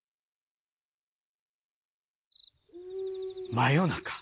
真夜中。